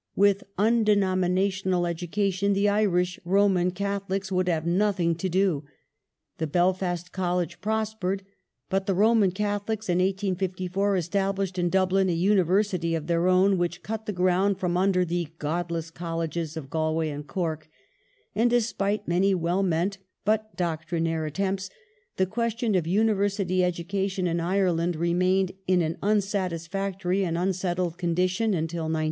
With " undenominational " {education the Irish Roman Catholics would have nothing to do ; the Belfast College prospered ; but the Roman Catholics in 1854 established in Dublin a Univei sity of their own which cut the ground from under the *' Godless" Colleges of Gal way and Cork, and, despite many well meant but doctrinaire at tempts, the question of University education in Ireland remained in an unsatisfactory and unsettled condition until 1908.